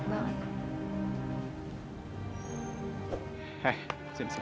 aku pasti bakalan kecewa